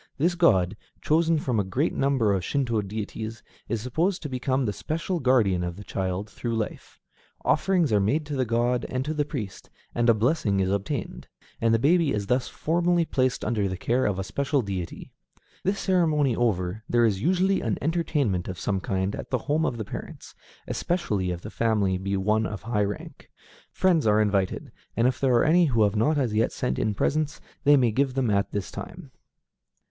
This god, chosen from a great number of Shinto deities, is supposed to become the special guardian of the child through life. Offerings are made to the god and to the priest, and a blessing is obtained; and the baby is thus formally placed under the care of a special deity. This ceremony over, there is usually an entertainment of some kind at the home of the parents, especially if the family be one of high rank. Friends are invited, and if there are any who have not as yet sent in presents, they may give them at this time.